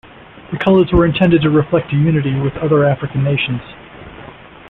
The colors were intended to reflect a unity with other African nations.